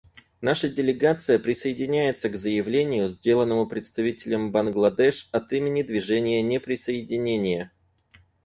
Наша делегация присоединяется к заявлению, сделанному представителем Бангладеш от имени Движения неприсоединения.